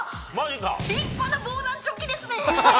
立派な防弾チョッキですね。